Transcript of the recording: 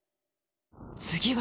次は。